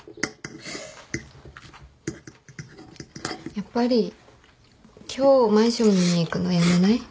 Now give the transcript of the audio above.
やっぱり今日マンション見に行くのやめない？